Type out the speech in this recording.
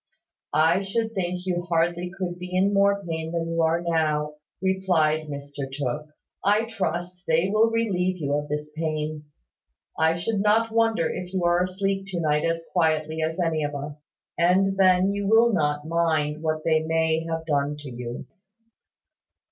"I should think you hardly could be in more pain than you are now," replied Mr Tooke. "I trust they will relieve you of this pain. I should not wonder if you are asleep to night as quietly as any of us; and then you will not mind what they may have done to you."